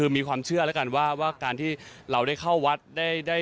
มีความเชื่อแล้วกันว่าการที่เราได้เข้าวัดได้